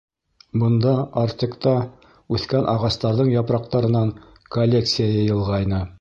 Бында «Артек»та үҫкән ағастарҙың япраҡтарынан коллекция йыйылғайны.